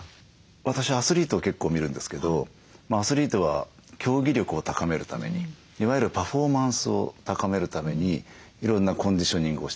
私アスリートを結構見るんですけどアスリートは競技力を高めるためにいわゆるパフォーマンスを高めるためにいろんなコンディショニングをしてます。